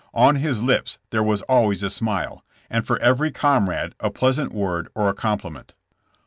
On his lips there was always a smile, and for every comrade a pleasant word or a compliment.